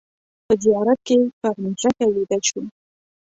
په زیارت کې پر مځکه ویده شوم.